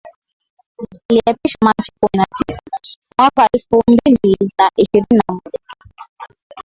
Aliapishwa Machi kumi na tisa mwaka elfum bili na ishirini na moja